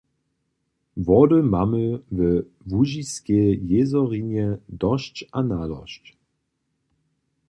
Wody mamy we łužiskej jězorinje dosć a nadosć.